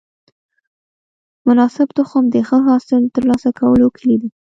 مناسب تخم د ښه حاصل د ترلاسه کولو کلي ده.